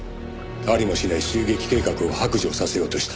「ありもしない襲撃計画を白状させようとした」